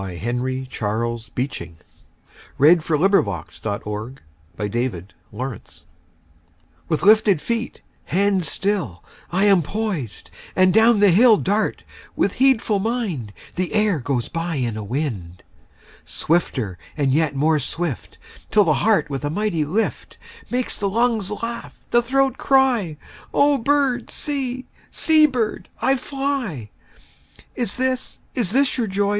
Henry Charles Beeching. 1859–1919 856. Going down Hill on a Bicycle A BOY'S SONG WITH lifted feet, hands still, I am poised, and down the hill Dart, with heedful mind; The air goes by in a wind. Swifter and yet more swift, 5 Till the heart with a mighty lift Makes the lungs laugh, the throat cry:— 'O bird, see; see, bird, I fly. 'Is this, is this your joy?